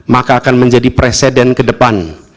maka akan menjadi presiden ke depan